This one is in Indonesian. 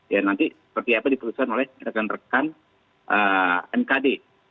ya nanti seperti apa diputuskan oleh rekan rekan mkd